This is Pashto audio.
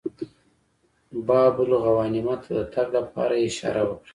باب الغوانمه ته د تګ لپاره یې اشاره وکړه.